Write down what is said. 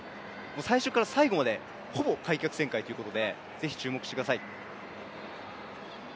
最初から最後までほぼ開脚旋回ということでぜひ注目してください。